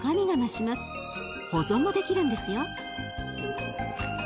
保存もできるんですよ。